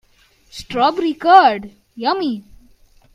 Strawberry curd, yummy!